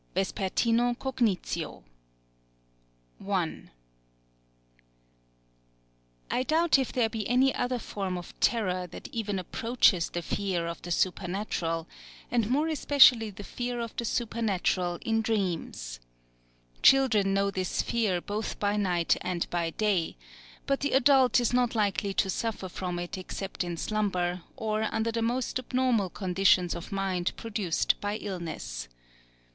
Vespertina Cognitio I I doubt if there be any other form of terror that even approaches the fear of the supernatural, and more especially the fear of the supernatural in dreams. Children know this fear both by night and by day; but the adult is not likely to suffer from it except in slumber, or under the most abnormal conditions of mind produced by illness.